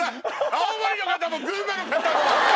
青森の方も群馬の方も。